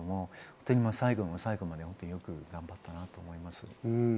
最後の最後までよく頑張ったなと思います。